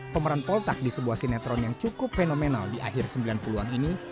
pemeran poltak di sebuah sinetron yang cukup fenomenal di akhir sembilan puluh an ini